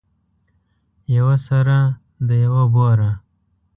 یوه سره ده یوه بوره.